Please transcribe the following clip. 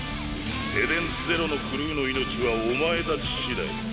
エデンズゼロのクルーの命はお前たち次第。